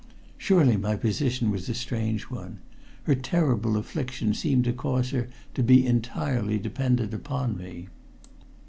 Surely my position was a strange one. Her terrible affliction seemed to cause her to be entirely dependent upon me.